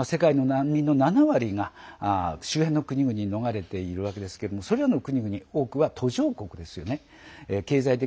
世界の難民の７割が周辺の国々に逃れているわけなんですけれどもそれらの多くが途上国なわけですね。